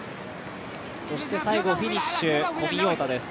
そして最後フィニッシュ小見洋太です。